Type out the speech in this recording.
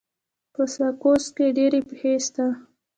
په ساکزو کي ډيري پښي سته.